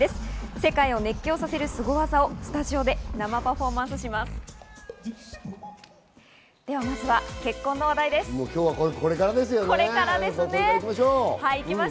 世界を熱狂させるスゴ技をスタジオで生パフォーマンスします。